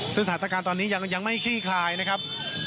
ซึ่งสถานการณ์ตอนนี้ยังไม่คลี่คลายนะครับ